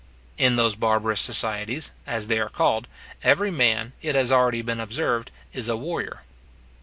In those barbarous societies, as they are called, every man, it has already been observed, is a warrior.